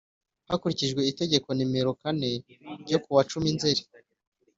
Hakurikijwe itegeko nimerokane ryo ku wa cumi nzeri